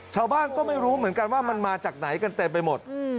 ชาวบ้านก็ไม่รู้เหมือนกันว่ามันมาจากไหนกันเต็มไปหมด